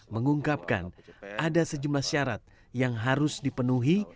mengungkapkan ada sejumlah syarat yang harus dipenuhi